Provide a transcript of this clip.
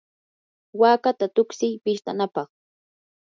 waakata tuksiy pistanapaq.